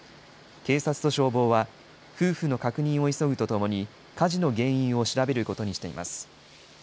警察と消防は、夫婦の確認を急ぐとともに、火事の原因を調べることにしています。